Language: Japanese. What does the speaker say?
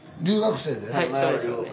留学生で？